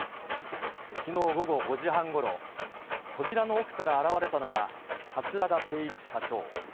きのう午後５時半ごろ、扉の奥から現れたのは、桂田精一社長。